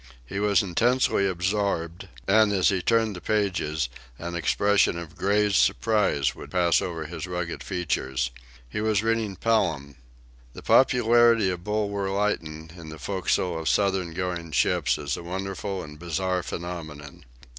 He was intensely absorbed, and as he turned the pages an expression of grave surprise would pass over his rugged features. He was reading "Pelham." The popularity of Bulwer Lytton in the forecastles of Southern going ships is a wonderful and bizarre phenomenon.